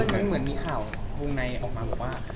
มันเหมือนมีข่าววงในออกมาบอกว่า